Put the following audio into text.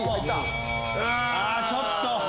ちょっと。